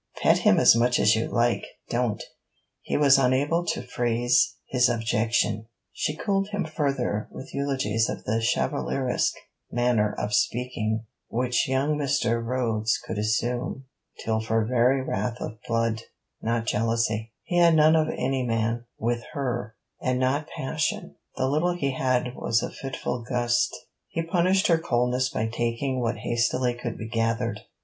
'Pet him as much as you like; don't...' he was unable to phrase his objection. She cooled him further with eulogies of the chevaleresque manner of speaking which young Mr. Rhodes could assume; till for very wrath of blood not jealousy: he had none of any man, with her; and not passion; the little he had was a fitful gust he punished her coldness by taking what hastily could be gathered.